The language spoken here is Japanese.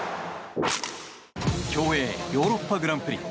競泳ヨーロッパ・グランプリ。